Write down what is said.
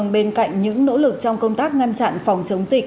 bên cạnh những nỗ lực trong công tác ngăn chặn phòng chống dịch